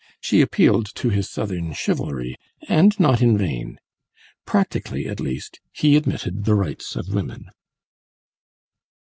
She appealed to his Southern chivalry, and not in vain; practically, at least, he admitted the rights of women.